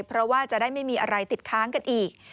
เพราะว่าจะได้ไม่มีอะไรติดค้างกันอีก